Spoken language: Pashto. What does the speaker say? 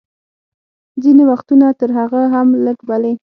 ځینې وختونه تر هغه هم لږ، بلې.